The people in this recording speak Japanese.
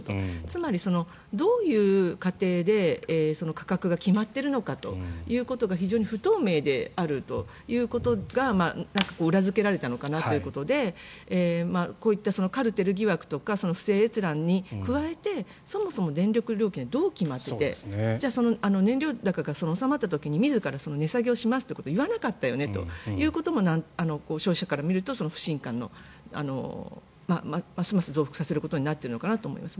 つまり、どういう過程で価格が決まっているのかということが非常に不透明であるということが裏付けられたのかなというところでこういったカルテル疑惑とか不正閲覧に加えてそもそも電力料金はどう決まっていてじゃあ燃料高が収まった時に自ら値下げしますと言わなかったよねということも消費者から見ると不信感をますます増幅させることになっているのかなと思います。